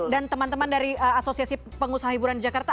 dan teman teman dari asosiasi pengusaha hiburan jakarta